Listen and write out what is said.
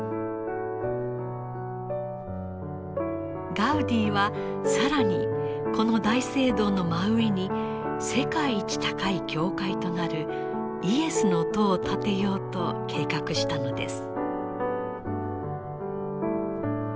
ガウディは更にこの大聖堂の真上に世界一高い教会となるイエスの塔を建てようと計画したのです。